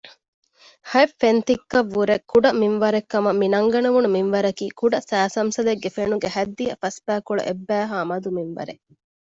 ހަތް ފެންތިއްކަކަށްވުރެ ކުޑަ މިންވަރެއްކަމަށް މިނަންގަނެވުނު މިންވަރަކީ ކުޑަ ސައިސަމްސަލެއްގެ ފެނުގެ ހަތްދިހަ ފަސްބައިކުޅަ އެއްބައިހާ މަދު މިންވަރެއް